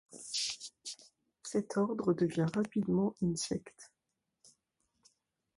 Cet ordre devient rapidement une secte.